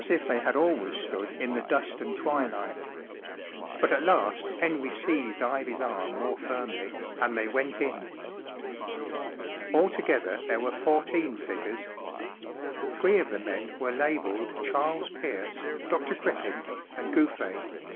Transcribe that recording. if they had always stood in the dust and twilight. But at last Henry seized Ivy's arm more firmly and they went in. Altogether there were fourteen figures. Three of the men were labelled Charles Peafce, Dr. Crippen, and Gouff6.